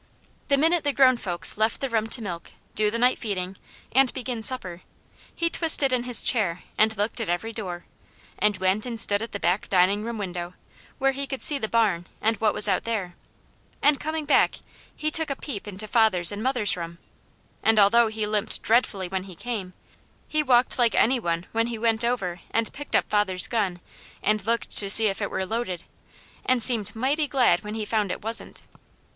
The minute the grown folks left the room to milk, do the night feeding, and begin supper, he twisted in his chair and looked at every door, and went and stood at the back dining room window, where he could see the barn and what was out there, and coming back he took a peep into father's and mother's room, and although he limped dreadfully when he came, he walked like any one when he went over and picked up father's gun and looked to see if it were loaded, and seemed mighty glad when he found it wasn't.